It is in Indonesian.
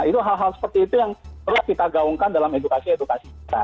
itu hal hal seperti itu yang perlu kita gaungkan dalam edukasi edukasi kita